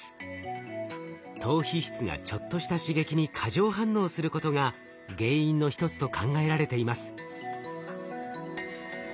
島皮質がちょっとした刺激に過剰反応することが原因の一つと考えられています。